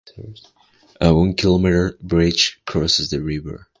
A one-kilometer bridge crosses the river.